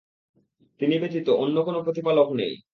তিনি ব্যতীত অন্য কোন প্রতিপালক নেই।